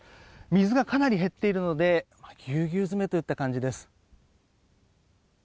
水がかなり減っているのでぎゅうぎゅう詰めといった感じです。